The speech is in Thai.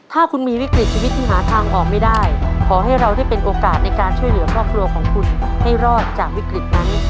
ถ้าคุณมีวิกฤตชีวิตที่หาทางออกไม่ได้ขอให้เราได้เป็นโอกาสในการช่วยเหลือครอบครัวของคุณให้รอดจากวิกฤตนั้น